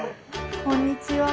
こんにちは。